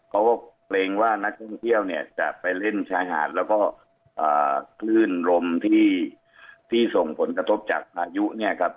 เกรงว่านักท่องเที่ยวเนี่ยจะไปเล่นชายหาดแล้วก็คลื่นลมที่ส่งผลกระทบจากพายุเนี่ยครับ